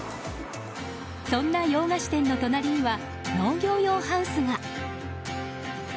そんな洋菓子店の隣には農業用ハウスが。